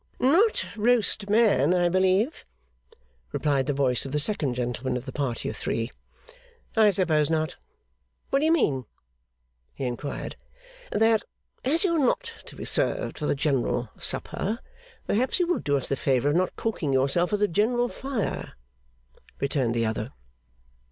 'Not roast man, I believe,' replied the voice of the second gentleman of the party of three. 'I suppose not. What d'ye mean?' he inquired. 'That, as you are not to be served for the general supper, perhaps you will do us the favour of not cooking yourself at the general fire,' returned the other.